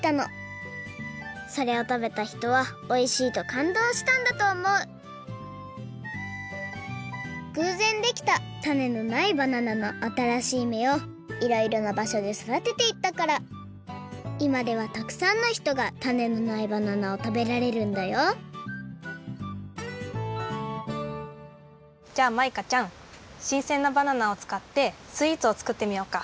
それをたべたひとはおいしいとかんどうしたんだとおもうぐうぜんできたタネのないバナナのあたらしいめをいろいろなばしょでそだてていったからいまではたくさんのひとがタネのないバナナをたべられるんだよじゃあマイカちゃんしんせんなバナナをつかってスイーツを作ってみようか。